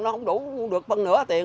nó không đủ được phân nửa tiền